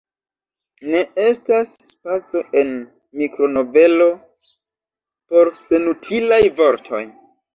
Ne estas spaco en mikronovelo por senutilaj vortoj.